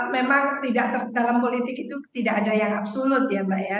memang dalam politik itu tidak ada yang absolut ya mbak ya